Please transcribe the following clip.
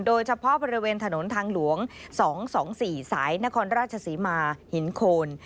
โดยเฉพาะบริเวณถนนทางหลวง๒๒๔สายนครราชศรีมาหินโคน